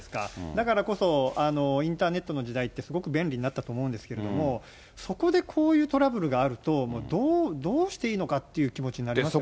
だからこそ、インターネットの時代って、すごく便利になったと思うんですけど、そこでこういうトラブルがあると、もうどう、どうしていいのかっていう気持ちになりますよね。